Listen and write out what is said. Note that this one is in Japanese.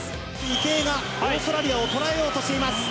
池江がオーストラリアを捉えようとしています。